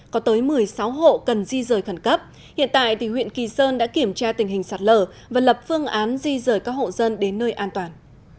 có tới một mươi sáu hộ cần di rời khẩn cấp hiện tại huyện kỳ sơn đã kiểm tra tình hình sạt lở và lập phương án di rời các hộ dân đến nơi an toàn